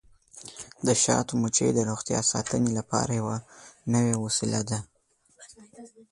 د شاتو مچۍ د روغتیا ساتنې لپاره نوې وسیله ده.